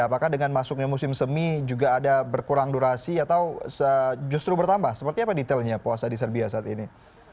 apakah dengan masuknya musim semi juga ada berkurang durasi atau justru bertambah seperti apa detailnya puasa di serbia saat ini